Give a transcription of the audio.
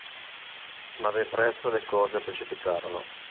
Ma ben presto le cose precipitarono.